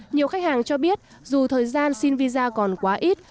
nhiều khách hàng cho biết dù thời gian xin visa còn quá ít